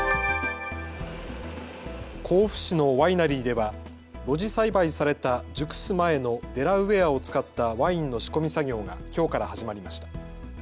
甲府市のワイナリーでは露地栽培された熟す前のデラウエアを使ったワインの仕込み作業がきょうから始まりました。